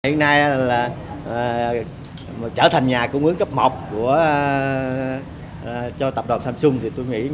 trở thành nhà cung ứng cấp một của tập đoàn samsung